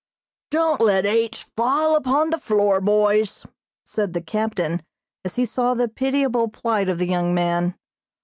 "Don't let H. fall upon the floor, boys," said the captain, as he saw the pitiable plight of the young man.